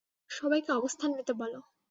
সবাইকে অবস্থান নিতে বলো!